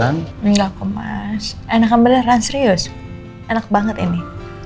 enggak kemas enakan beneran serius enak banget ini